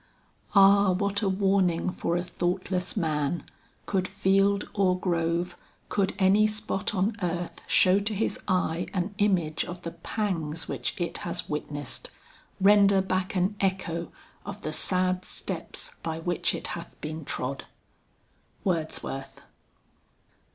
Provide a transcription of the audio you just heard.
"Ah what a warning for a thoughtless man, Could field or grove, could any spot on earth Show to his eye an image of the pangs Which it has witnessed; render back an echo Of the sad steps by which it hath been trod. WORDSWORTH.